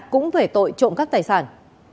cũng về tội trộm cắp tài sản